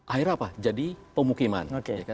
akhirnya apa jadi pemukiman